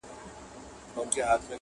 له امیده یې د زړه خونه خالي سوه!.